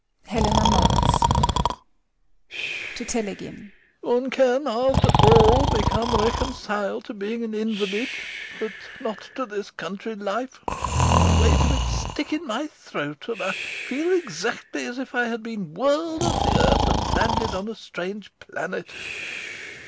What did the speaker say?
HELENA nods. SEREBRAKOFF. [To TELEGIN] One can, after all, become reconciled to being an invalid, but not to this country life. The ways of it stick in my throat and I feel exactly as if I had been whirled off the earth and landed on a strange planet.